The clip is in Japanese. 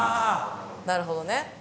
なるほどね。